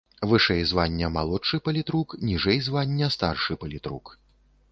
Вышэй звання малодшы палітрук, ніжэй звання старшы палітрук.